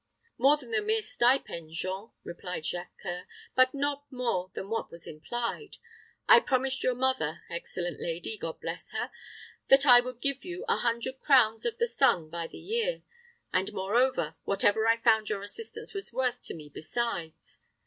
"More than the mere stipend, Jean," replied Jacques C[oe]ur; "but not more than what was implied. I promised your mother, excellent lady, God bless her, that I would give you a hundred crowns of the sun by the year, and, moreover, whatever I found your assistance was worth to me besides.